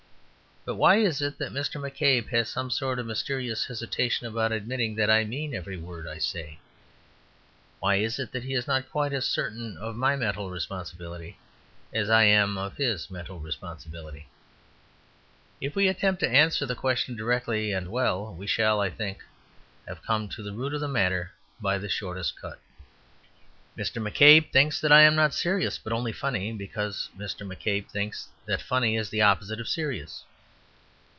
But why is it that Mr. McCabe has some sort of mysterious hesitation about admitting that I mean every word I say; why is it that he is not quite as certain of my mental responsibility as I am of his mental responsibility? If we attempt to answer the question directly and well, we shall, I think, have come to the root of the matter by the shortest cut. Mr. McCabe thinks that I am not serious but only funny, because Mr. McCabe thinks that funny is the opposite of serious.